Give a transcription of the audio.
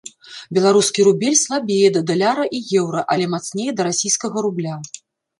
Беларускі рубель слабее да даляра і еўра, але мацнее да расійскага рубля.